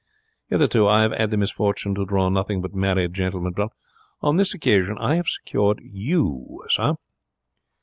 Hitherto I have 'ad the misfortune to draw nothing but married gentlemen, but on this occasion I have secured you, sir.